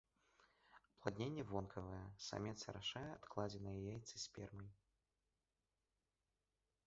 Апладненне вонкавае, самец арашае адкладзеныя яйцы спермай.